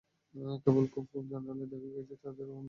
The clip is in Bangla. কেবল খোপ খোপ জানালায় দেখা গেছে তাঁদের বিষণ্ন, মলিন না-খাওয়া মুখ।